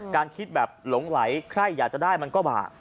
คิดแบบหลงไหลใครอยากจะได้มันก็บาป